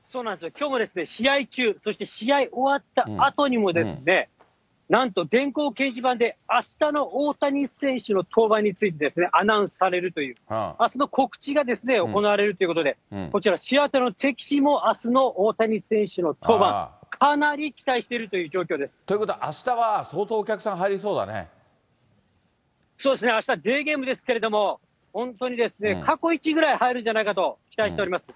きょうも試合中、そして試合終わったあとにも、なんと電光掲示板で、あしたの大谷選手の登板についてアナウンスされるという、あすの告知が行われるということで、こちらシアトルの適地もあすの大谷選手の登板、ということは、あしたは相当そうですね、あした、デーゲームですけれども、本当に、過去一ぐらい入るんじゃないかと期待しております。